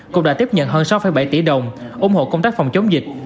cục đã tiếp nhận hơn sáu bảy tỷ đồng ủng hộ công tác phòng chống dịch